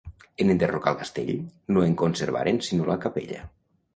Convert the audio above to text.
En enderrocar el castell, no en conservaren sinó la capella.